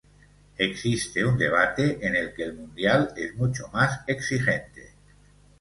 Existe un debate en el que el mundial es mucho más exigente.